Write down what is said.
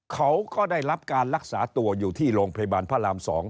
เขาก็ได้รับการรักษาตัวอยู่ที่โรงพยาบาลพระราม๒